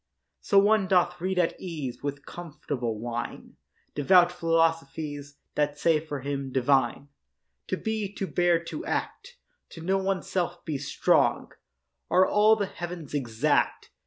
So one doth read at ease With comfortable wine Devout philosophies That say, for him, divine, To be, to bear, to act, To know oneself, be strong, Are all the heav'ns exact.